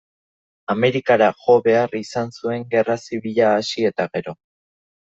Amerikara jo behar izan zuen gerra zibila hasi eta gero.